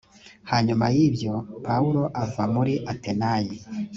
hanyuma y ibyo pawulo ava muri atenayi